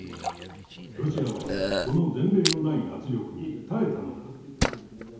ロシアは、この前例のない圧力に耐えたのだ。